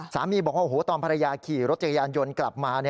สามีบอกว่าโอ้โหตอนภรรยาขี่รถจักรยานยนต์กลับมา